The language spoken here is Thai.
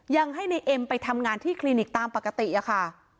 ยังให้ในเอ็มไปทำงานที่คลินิกตามปกติอะค่ะ